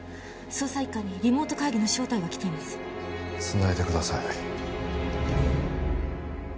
捜査一課にリモート会議の招待が来ていますつないでください